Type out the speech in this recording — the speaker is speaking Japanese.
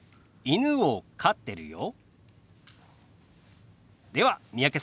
犬を飼ってるよ。